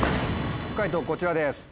解答こちらです。